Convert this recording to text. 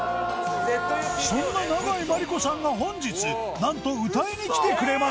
そんな永井真理子さんが本日なんと歌いに来てくれました